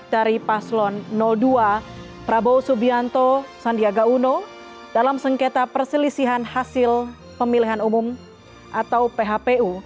dari paslon dua prabowo subianto sandiaga uno dalam sengketa perselisihan hasil pemilihan umum atau phpu